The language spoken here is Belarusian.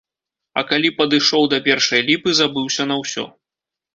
А калі падышоў да першай ліпы, забыўся на ўсё.